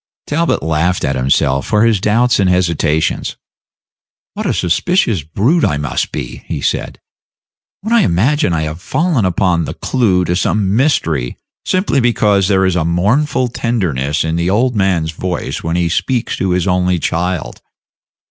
Talbot laughed at himself for his doubts and hesitations. "What a suspicious brute I must be," he said, "when I imagine I have fallen upon the clew to some mystery simply because there is a mournful tenderness in the old man's voice when he speaks to his only child!